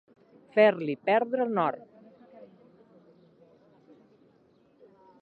Fer-li perdre el nord.